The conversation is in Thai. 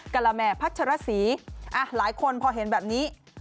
กะละแม่พัชรสีหลายคนพอเห็นแบบนี้